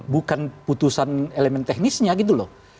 bukan putusan elemen teknisnya gitu loh